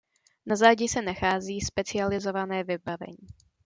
Na zádi se nachází specializované vybavení.